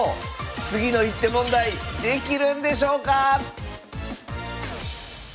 次の一手問題できるんでしょうか